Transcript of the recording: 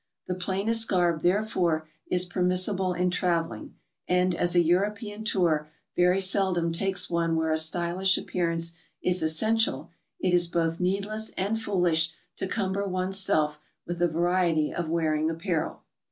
The plainest garb, therefore, is permissible in traveling, and as a European tour very seldom takes one where a stylish appearance is essential, it is both needless and foolish to cumber one's self with a va riety of wearing apparel.